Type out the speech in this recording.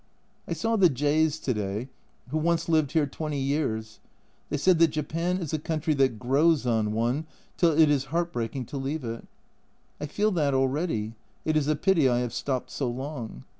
I saw the J s to day, who once lived here twenty years ; they said that Japan is a country that "grows on one" till it is heart breaking to leave it. I feel that already, it is a pity I have stopped so long.